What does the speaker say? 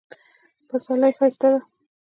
پسرلی ښایسته ده